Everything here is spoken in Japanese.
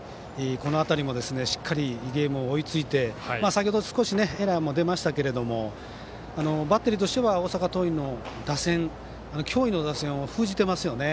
この辺りもしっかりゲームを追いついて先ほど少しエラーも出ましたがバッテリーとしては大阪桐蔭の打線脅威の打線を封じていますよね。